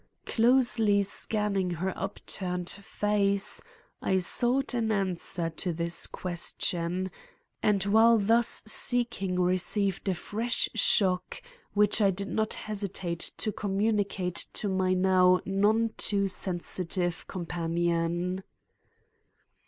Closely scanning her upturned face, I sought an answer to this question, and while thus seeking received a fresh shock which I did not hesitate to communicate to my now none too sensitive companion.